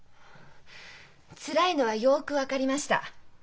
つらいのはよく分かりました。